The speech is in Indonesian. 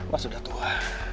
mas sudah tua